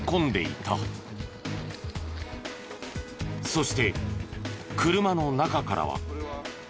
そして車の中からは。